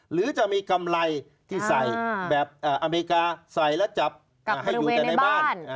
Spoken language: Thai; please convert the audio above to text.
หรือจะมีกำไรที่ใส่แบบอเมริกาใส่แล้วจับให้อยู่แต่ในบ้าน